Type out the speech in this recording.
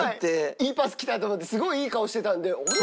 いいパスきたと思ってすごいいい顔してたんであれ？